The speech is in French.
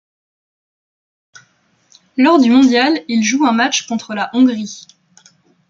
Lors du mondial, il joue un match contre la Hongrie.